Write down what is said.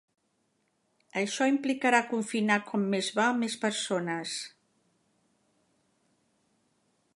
Això implicarà confinar com més va més persones.